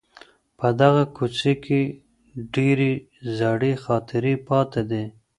په دغه کوڅې کي ډېرې زړې خاطرې پاته دي.